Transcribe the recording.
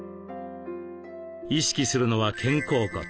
意識するのは肩甲骨。